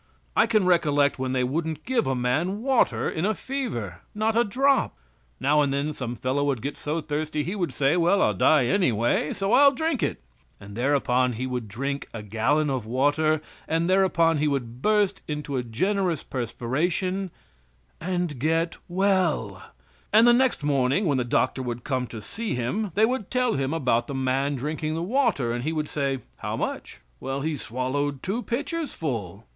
I can recollect when they wouldn't give a man water in a fever not a drop. Now and then some fellow would get so thirsty he would say "Well, I'll die any way, so I'll drink it," and thereupon he would drink a gallon of water, and thereupon he would burst into a generous perspiration, and get well and the next morning when the doctor would come to see him they would tell him about the man drinking the water, and he would say: "How much?" "Well, he swallowed two pitchers full."